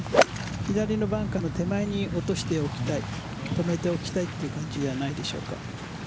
左のバンカーの手前に落としておきたい止めておきたいという感じではないでしょうか。